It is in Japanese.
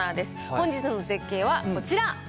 本日の絶景はこちら。